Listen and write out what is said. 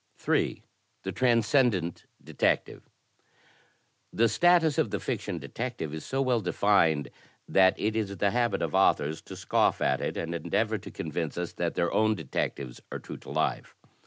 I J. The Transcendent Detechve The status of the fiction detective is so well defined that it is the habit of authors to scoff at it, and endeavor to con vince us that their own detectives are true to life.